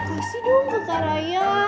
kursi dong kakaraya